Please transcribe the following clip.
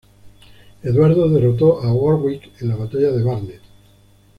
Eduardo derrotó a Warwick en la batalla de Barnet.